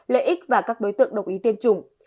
lợi ích và các đối tượng đồng ý tiêm chủng